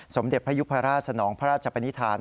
สมเด็จพระยุพราชสนองพระราชปนิษฐาน